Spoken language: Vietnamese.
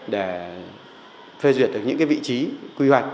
để phê duyệt được những vị trí quy hoạch